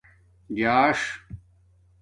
جاݽ